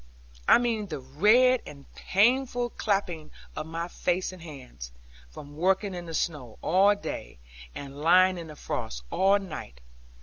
I mean the red and painful chapping of my face and hands, from working in the snow all day, and lying in the frost all night.